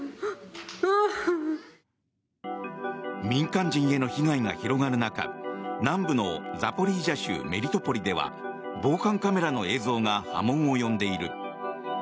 民間人への被害が広がる中南部のザポリージャ州メリトポリでは防犯カメラの映像が波紋を呼んでいる。